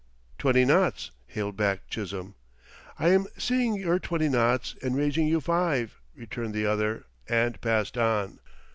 "Twenty knots!" hailed back Chisholm. "I am seeing your twenty knots and raising you five!" returned the other, and passed on.